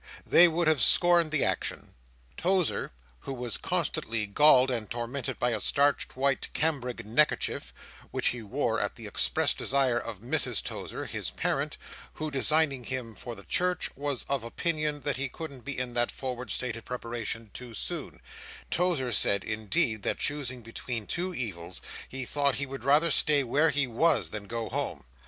They would have scorned the action. Tozer, who was constantly galled and tormented by a starched white cambric neckerchief, which he wore at the express desire of Mrs Tozer, his parent, who, designing him for the Church, was of opinion that he couldn't be in that forward state of preparation too soon—Tozer said, indeed, that choosing between two evils, he thought he would rather stay where he was, than go home.